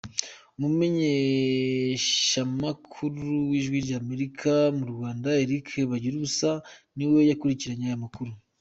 Umumenyeshamakuru w’Ijwi ry’Amerika mu Rwanda Eric Bagiruwubusa niwe yakurikiranye aya makuru.